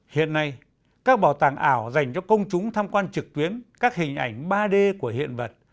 hiện nay các bảo tàng ảo dành cho công chúng tham quan trực tuyến các hình ảnh ba d của hiện vật